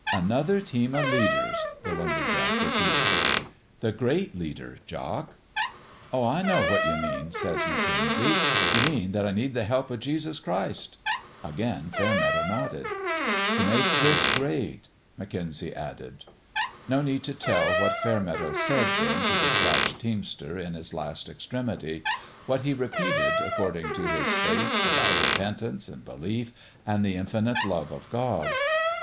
" Another team of leaders," the lumber jack repeated. " The Great Leader, Jock." " Oh, I know what you mean," said McKenzie. " You mean that I need the help of Jesus Christ." 214 ON THE GRADE Again Fairmeadow nodded. " To make this grade," McKenzie added. No need to tell what Fairmeadow said then to the Scotch teamster in his last extremity what he repeated, according to his faith, about repent ance and belief and the infinite love of God.